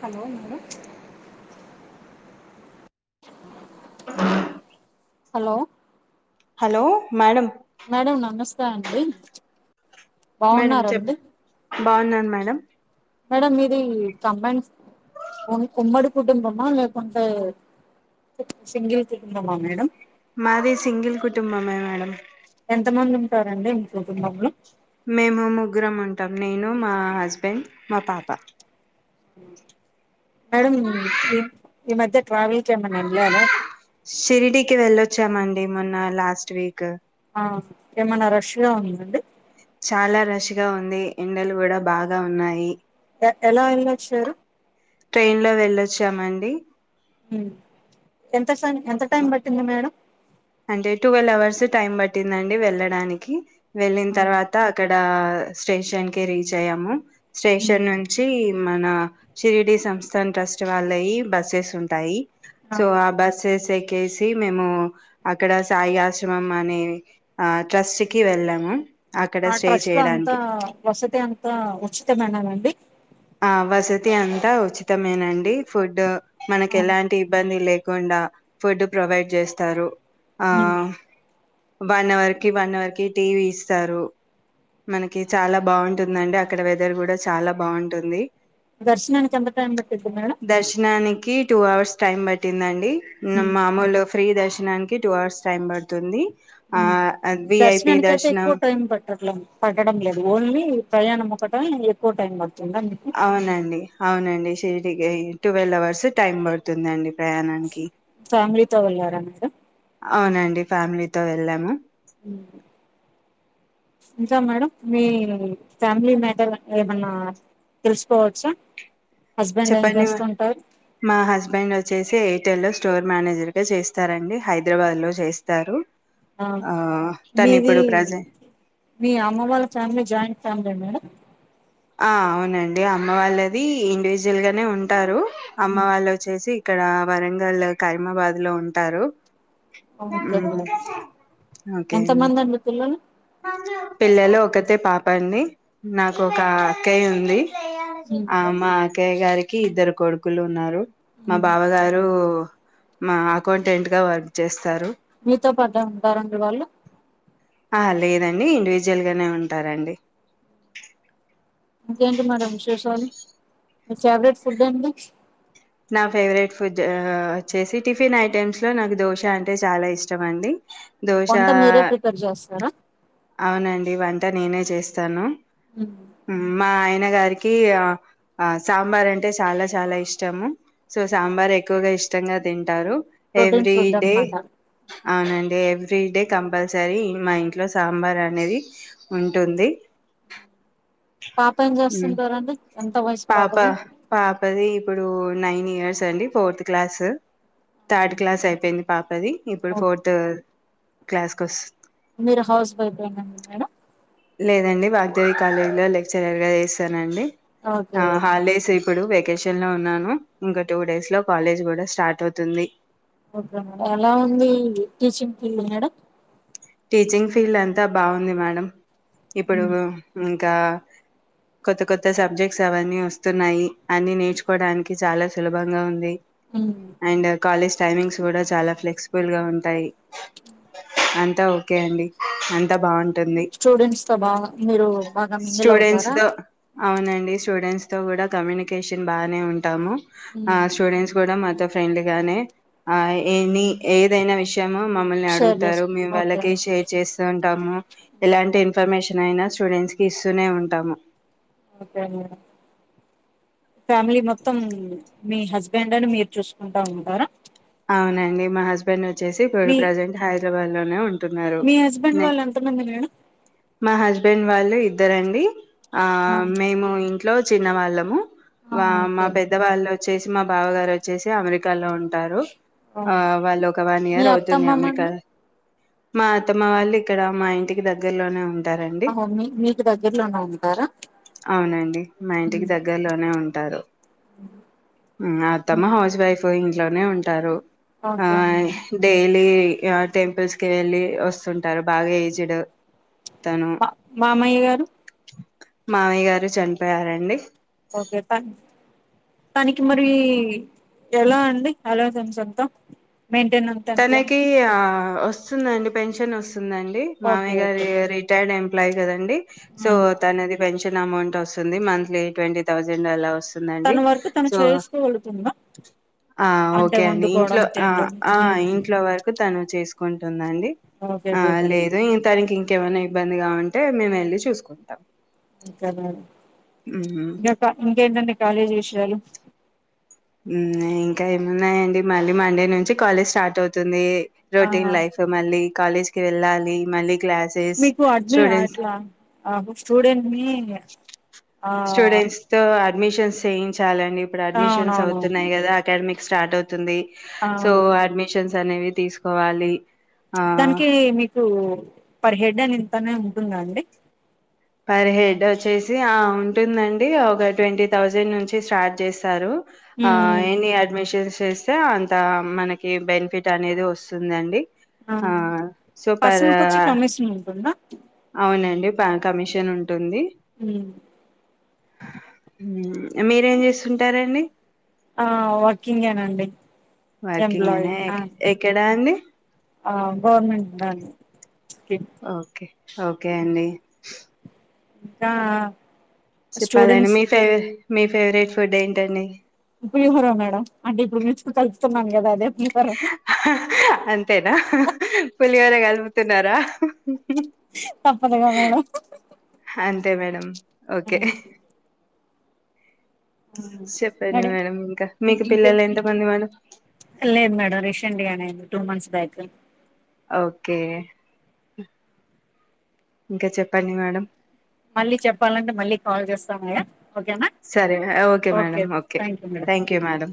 Hello madam ఆ hello hello madam మేడ నమస్తే తండి మేడం చెప్పం బాగున్నాను మేడం మేడం మీది కబన్ ఉమ్మడి కుటుంబమా లేకుంటే సింగిల్ కుటుంబమా మేడం మాది సింగిల్ కుటుంబమ మేడం స్తారండి మీ కుటుంబంలో మేము ముగ్గురం ఉంటాం నేను మా హస్బెండ్ మా పాప మేడం ఏం ఈ మధ్య ట్రావెల్ కి ఏమైనా వెళ్ళారా షిరిడికి వెళ్ళొచ్చామండి మన్నా లాస్ట్ వీక్ ఆ ఏమన్నా రష్గా ఉందండి చాలా రష్గా ఉంది ఎండలు కూడా బాగా ఉన్నాయి ఎ ఎలా వెన్నొచ్చారు వచ్చామండి ఎ ఎ ఎంత టైం పట్టింది మేడం అంటే టువెల్వ్ అవర్స్ టైం పట్టిందండి వెళ్ళడానికి వెళ్ళిన తర్వాత అక్కడ స్టేషన్ కి రీచ్ అయ్యాము స్టేషన్ నుంచి మన షిరిడి సంస్థాన్ ట్రస్ట్ వాళ్ళయి బస్సెస్ ఉంటాయి సో ఆ బసెస్ కెసి మేము అక్కడ సాయి ఆశ్రమం అనే ఆ ట్రస్ట్ కి వెళ్ళాము అక్కడ ఆ స్టే ట్రస్ట్ లో అంతా చేయడానికి వసతి అంతా ఉచితమైననండి ఆ వసతి అంతా ఉచితమేనండి ఫుడ్ మనకి ఆ ఎలాంటి ఇబ్బంది లే కుండా ఫుడ్ ప్రొవైడ్ చేస్తారు ఆ ఉమ్ వన్ అవర్ కి వన్ అవర్ కి టీవీ ఇస్తారు మనకి చాలా బాగుంటుందండి అక్కడ వెదర్ కూడా చాలా బాగుం ఉంటుంది దర్శనం ఎంతా టైమ్బటిది మేడం దర్శనానికి టూ అవర్స్ టైమ్ పట్టిందండి మామూలు ఫ్రీ దర్ష్ నానికి టూ అవర్స్ టైం పడుతుంది ఆ ఉమ్ విఐపి దర్శనానికి అయితే దర్శనం ఎక్కువ టైం పెట్టట్లే పట్టడం లేదు ఓన్లీ ప్రయాణం ఒక్కటే ఎక్కువ టైం పడుంది అవునండి అవునండి [unintelligible] ట్వెల్వ్ అవర్స్ టైం పడుతుందండి ప్రయాణానికి ఫ్యామిలీతో వెళ్ళారా మీరు అవునండి ఫ్యామిలీతో వెళ్ళాము ఇంకా మేడం మీ ఫ్యామిలీ మ్యాటర్ ఏమన్నా తెలుసుకోవచ్చా హస్బెండ్ ఏం చెప్పండి చేస్తుంటారు మా హస్బెండ్ వచ్చేసి రల్లో స్టోర్ మేనేజర్ గా చేస్తారండి హైదరాబాద్ లో చేస్తారు ఆ తను మీది ఇప్పుడు ప్రజె మీ అమ్మ వాళ్ళ ఫ్యామిలీ జాయింట్ ఫ్యామిలీ మేడం ఆ అవునండి అమ్మ వాళ్ళది ఇండివిజువల్ గానే ఉంటారు అమ్మ వాళ్ళు వచ్చేసి ఇక్కడ వరంగల్ కైమాబాద్ లో ఉంటారు ఓకే మ్మ్ మేడం ఎంత మంది అండి పిల్లలు పిల్లలు ఒకతే పాప అండి నాకు ఒక అక్కయి ఉంది ఆ మా అక్కయ్య గారికి కి ఇద్దరు కొడుకులు ఉన్నారు మా బావగారు మా అకౌంటెంట్ గా వర్క్ చేస్తారు మీతో పాటే ఉంటారండి వాళ్ళు ఆ లేదండి ఇండివిజువల్గానే ఉంటారండి ఇంకేంటి మేడం విశేషాలు మీ ఫేవరెట్ ఫుడ్ ఏంటి నా ఫేవరెట్ ఫుడ్ వచ్చేసి టిఫిన్ ఐటమ్స్ లో నాకు దోశ అంటే చాలా ఇష్టం అండి దోశ వంట మీరే ప్రిపేర్ చేస్తారా అవునండి వంట నేనే చేస్తాను మా ఆయ నాయన గారికి ఆ సాంబార్ అంటే చాలా చాలా ఇష్టము సో సాంబార్ ఎక్కువగా ఇష్టంగా తింటారు ప్రోటీన్ ఫుడ్ డే అనమాట అవునండి ఎవ్రీ డే కంపల్సరీ మా ఇంట్లో సాంబార్ అనేది ఉంటుంది పాప ఏం హ్మ్, చేస్తుంటారండి ఎంత వయసు పాప పాపది పాపది ఇప్పుడు నైన్ ఇయర్స్ అండి ఫోర్త్ క్లాస్ థర్డ్ క్లాస్ అయిపోయింది పాపది ఇప్పుడు ఫోర్త్ క్లాస్ కో మీరు హౌస్ వైఫ్ యేన మేడం లేదండి వాగ్దేవి కాలేజ్ లో లెక్చరర్ గా చేస్తానండి ఓకే ఓకే ఆ హాలిడేస్ ఇప్పుడు వెకేషన్ లో ఉన్నాను ఇంకా టూ డేస్ లో కాలేజ్ కూడా స్టార్ట్ అవుతుంది ఓకే మేడం ఎలా ఉంది teaching field madam teaching field అంతా బాగుంది మేడం ఇప్పుడు మీ ఇంకా కొత్త కొత్త సబ్జెక్ట్స్ అవన్నీ వస్తున్నాయి అన్ని నేర్చుకోవడానికి చాలా సులభంగా ఉంది అండ్ కాలజ్ టైమింగ్స్ కూడా చాలా ఫ్లెక్సిబుల్ గా ఉంటాయి అ అంత ఓకే అండి అంతా బాగుం స్టూడెంట్స్ తో బాగా మీరు బాగా మింగిల్ స్టూడెంట్స్ అవుతారా తో అవునండి స్టూడెంట్స్ తో కూడా కమ్యూనికేషన్ బాగానే ఉంటాము ఆ స్టూడెంట్స్ కూడా మ ఫ్రెండ్ గానే ఆ ఎనీ ఏదైనా విష ము మమ్మల్ని షేర్ అడుగుతారు చేసుకో మేము ఓకే కి షేర్ చేస్తు ఉంటా ఎలాంటి ఇన్ఫర్మేషన్ అయినా స్టూడెంట్స్ కి ఇస్తూనే ఉంటాము ఓకే మేడం ఫ్యామిలీ మొత్తం మీ హస్బెండ్ని మీరు చూసుకుంటా ఉంటారా అవునండి మా హస్బెండ్ వచ్ వచ్చేసి ఇప్పుడు మీ ప్రజెంట్ హైదరాబాద్ నే ఉం ఉంటున్నారు మీ హస్బెండ్ వాళ్ళు ఎంతమంది మేడం మా హస్బెండ్ వాళ్ళు ఇద్దరండి ఆ మేము ఇంకా లో చిన్నవాళ్ళము ఆ వా మా ఓకే పెద్దవాళ్ళు వచ్చేసి మా బావ గారు వచ్చేసి అమెరికాలో ఉంటారు ఆ వాళ్ళ ఒక వన్ మీ ఇయర్ అవుతుంది అత్తమ్మ అమెరికా మండి మా అత్తమ్మ వాళ్ళు ఇక్కడ మా ఇంటికి దగ్గరలోనే ఉంట ఉంటారండి అహో మీ మీకు దగ్గరలోనే ఉంటారా అవునండి మా ఇంటికి దగ్గరలోనే ఉంటారు ఉ అత్తమ్మ హౌస్ వైఫ్ ఇ ఇంట్లోనే ఉంట ఉంటారు ఓకే ఆహ్ అండి డెలీ య టెంపుల్స్ కి వెళ్ళి వస్తుంటారు బాగా ఏజ్డ్ మా మామయ్య గారు మావయ్య గారు చనిపోయారండి ఓకే తన్ తనికి మరి ఎలా అండి ఆలోచించి చెప్దాం తనకి ఆ వస్తుందండి పెన్షన్ వస్తుంది వస్తుందండి ఓకే మామయ్య గారి ఓకే రిటైర్డ్ ఎం అప్లై కదండి సో ఆ తనది పెన్షన్ అమౌంట్ వస్తుంది మంత్లీ ట్వంటీ థౌసండ్ అలా వస్తుంది తన వరకు తను చేసుకో గలుగుతున్నాడా ఆ! అంటే ఓకే అండి. వండుకోవడం ఇంట్లో ఆ! తినడం ఆ ఉమ్ ఇంట్లో వరకు తను చేసుకుంటుంది ద అండి ఓకే ఆ గుడ్ అండి లేదు ఇ తననికి ఇంకేమన్నా ఇబ్బందిగా ఉంటే మేము వెళ్ళి చూసుకుంటాం ఇంకా రాడు హుహు. ఇంకా ఇంకేంటండి కాలేజీ విషయాలు ఇంకా ఏమున్నాయండి మళ్ళీ మండే నుంచి కాలేజ్ స్టార్ట్ అవుతుంది ఆ రొటీన్ లైఫ్ మళ్ళీ కాలేజ్ కి వెళ్ళాలి మళ్ళీ క్లాసెస్ మీకు అద్వి స్టూడెంట్స్ అట్లా ఆ స్టూడెంట్ మీ ఆ స్టూడెంట్స్‌తో అడ్మిషన్స్ చేయించాలి ఇప్పుడు అడ్మిషన్స్ అవునవును అవుతున్నాయి కదా అకాడమిక్ స్టార్ట్ అవుతుంది సో అవును అడ్మిషన్స్ అనేవి తీసుకోవాలి ఆ! దానికి మీకు పర్ హెడ్ అని ఇంత అని దా అండి పర్ హెడ్ వచ్చేసి ఆ ఉంటుందండి ఒక ట్వంటీ థౌజండ్ నుంచి స్టార్ట్ చేస్తారు ఆ ఉమ్ ఎన్ని అడ్మిషన్స్ చేస్తే అంత మనకి బెనిఫిట్ అనేది వస్తుందండి ఆ సో పర్ పర్సన్ కొచ్చి కమిషన్ ఉంటుందా అవునండి కమిషన్ ఉంటుంది ఉమ్ ఉ మీరేం చేస్తుంటారండి ఆ వర్కింగేనండి వర్కింగ్ ఎంప్లాయీ అనే ఆ ఎక్కడా అండి ఆ గవర్నమెంట్ దనీ కి ఓకే ఓకే అండి ఇంకా చెప్పాలండి స్టూడెంట్స్ మీ ఫేవరే మీ ఫేవరెట్ ఫుడ్ ఏంటండి పులిహోర మేడం అంటే ఇప్పుడు మీ చూ కలుస్తున్నాను కదా అదే పులిహోర అంతేనా పులిహోర కల్ పూ తున్నారా తప్పదుగా మేడం అంతే మేడమ్ ఓకే హ్మ్ చెప్పండి మేడం ఇంకా మీకు ఇంక పిల్లలు ఎంత మంది మేడం లేదు మేడం రిషన్ డియా టూ మంత్స్ [unintelligible] ఓకే ఇంకా చెప్పండి మేడం మళ్ళీ చెప్పాలంటే మళ్ళీ కాల్ చేస్తా మేడమ్ సరే okay madam okay thank you madam